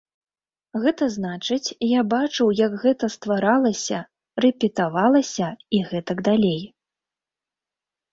Гэта значыць, я бачыў, як гэта стваралася, рэпетавалася і гэтак далей.